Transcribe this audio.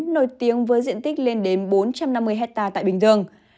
nổi tiếng với diện tích lên đến bốn trăm năm mươi hectare tại bình dương